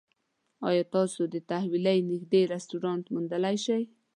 ایا تاسو د تحویلۍ نږدې رستورانت موندلی شئ؟